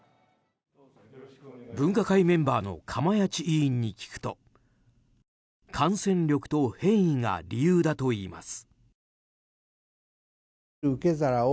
分科会メンバーの釜萢委員に聞くと感染力と変異が理由だといいます。